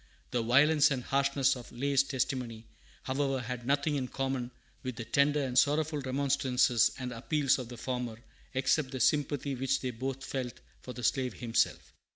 The violence and harshness of Lay's testimony, however, had nothing in common with the tender and sorrowful remonstrances and appeals of the former, except the sympathy which they both felt for the slave himself.